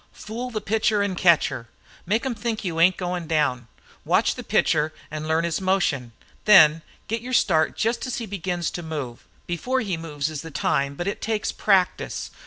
Fool the pitcher an' catcher. Make 'em think you ain't goin' down. Watch the pitcher an' learn his motion. Then get your start jest as he begins to move. Before he moves is the time, but it takes practice.